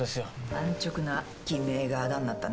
安直な偽名があだになったね。